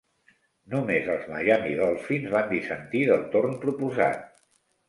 Només els Miami Dolphins van dissentir del torn proposat.